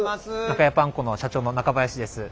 中屋パン粉の社長の中林です。